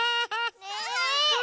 ねえ。